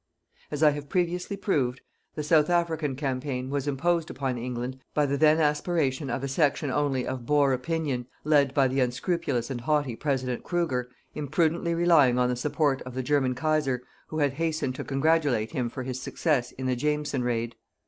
As I have previously proved, the South African campaign was imposed upon England by the then aspiration of a section only of Boer opinion, led by the unscrupulous and haughty President Kruger, imprudently relying on the support of the German Kaiser who had hastened to congratulate him for his success in the Jameson Raid.